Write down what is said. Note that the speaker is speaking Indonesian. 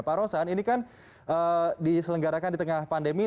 pak rosan ini kan diselenggarakan di tengah pandemi